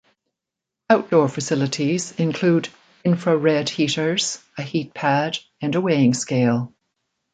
Outdoor facilities include infra-red heaters, a heat pad and a weighing scale.